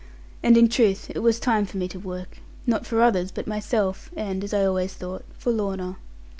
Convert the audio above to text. And in truth it was time for me to work; not for others, but myself, and (as I always thought) for Lorna.